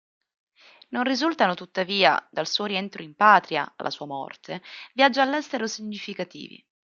Non risultano tuttavia, dal suo rientro in patria alla sua morte, viaggi all'estero significativi.